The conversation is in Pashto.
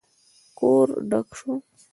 کور ډک شو.